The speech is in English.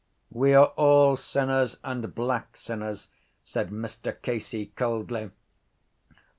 —We are all sinners and black sinners, said Mr Casey coldly.